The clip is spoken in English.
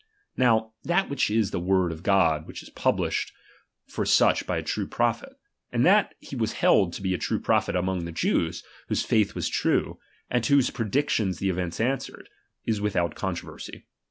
Now, that that is the word of God which 5s published for such by a true prophet ; and that Hie was held to be a true prophet among the Jews, whose faith was true, and to whose predictions the events answered ; is without controversy.